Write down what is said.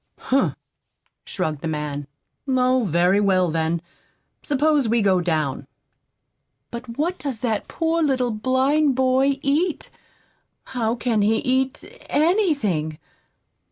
"Humph!" shrugged the man. "Oh, very well, then. Suppose we go down." "But what does that poor little blind boy eat? How can he eat anything?"